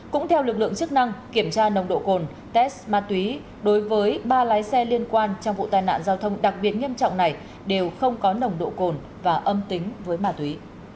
cũng theo lực lượng chức năng kiểm tra nồng độ cồn test ma túy đối với ba lái xe liên quan trong vụ tai nạn giao thông đặc biệt nghiêm trọng này đều không có nồng độ cồn và âm tính với ma túy